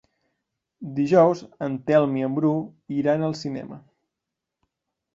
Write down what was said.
Dijous en Telm i en Bru iran al cinema.